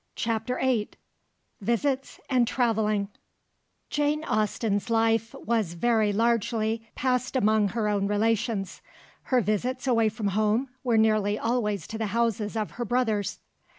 CHAPTER VIII VISITS AND TRAVELLING Jane Austen's life was very largely passed among her own relations, her visits away from home were nearly always to the houses of her brothers.